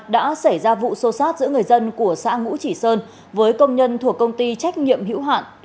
đã xảy ra vụ xô xát giữa người dân của xã ngũ chỉ sơn với công nhân thuộc công ty trách nhiệm hữu hạn